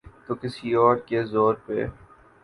تو کسی اور کے زور پہ۔